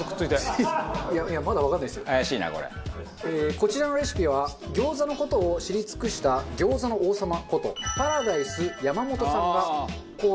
こちらのレシピは餃子の事を知り尽くした餃子の王様ことパラダイス山元さんが考案した。